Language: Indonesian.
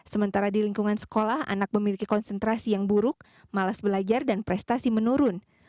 sementara di lingkungan sekolah anak memiliki konsentrasi yang buruk malas belajar dan prestasi menurun